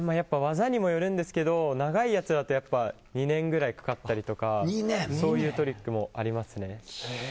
技にもよるんですけど長いやつだと２年くらいかかったりとかそういうトリックもありますね。